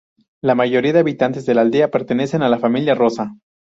La mayoría de habitantes de la aldea pertenecen a la familia Rosa.